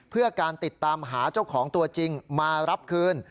เพื่อการติดตามหาเจ้าของตัวจริงมารับคืน